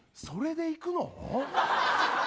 それでいくの？